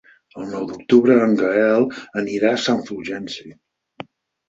El nou d'octubre en Gaël anirà a Sant Fulgenci.